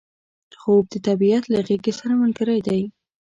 خوب د طبیعت له غیږې سره ملګری دی